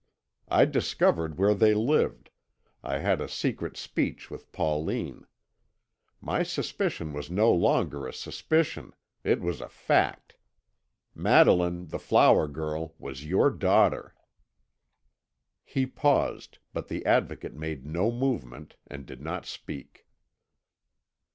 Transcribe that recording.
I discovered where they lived I had secret speech with Pauline. My suspicion was no longer a suspicion it was a fact. Madeline the flower girl was your daughter." He paused, but the Advocate made no movement, and did not speak.